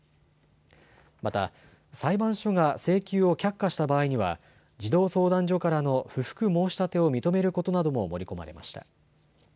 また裁判所が請求を却下した場合には児童相談所からの不服申し立てを認めることなども盛り込まれました。